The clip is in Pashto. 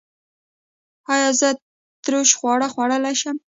ایا زه ترش خواړه خوړلی شم؟